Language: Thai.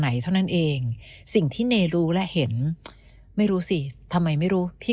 ไหนเท่านั้นเองสิ่งที่เนรู้และเห็นไม่รู้สิทำไมไม่รู้ที่